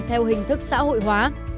theo hình thức xã hội hóa